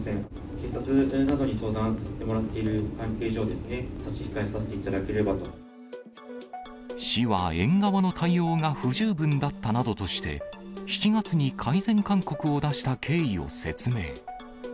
警察などに相談行っている関係上ですね、差し控えさせていただけ市は園側の対応が不十分だったなどとして、７月に改善勧告を出した経緯を説明。